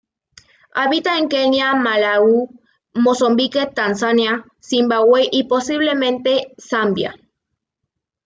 Habita en Kenia, Malaui, Mozambique, Tanzania, Zimbabue y posiblemente Zambia.